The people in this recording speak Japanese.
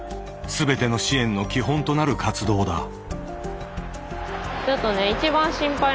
全ての支援の基本となる活動だ。